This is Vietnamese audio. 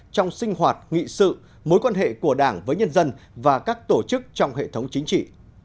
trong sinh hoạt nghị sự mối quan hệ của đảng với nhân dân và các tổ chức trong hệ thống chính trị